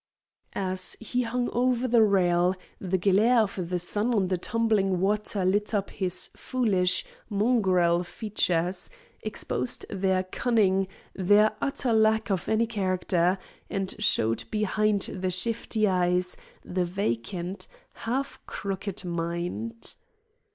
As he hung over the rail the glare of the sun on the tumbling water lit up his foolish, mongrel features, exposed their cunning, their utter lack of any character, and showed behind the shifty eyes the vacant, half crooked mind.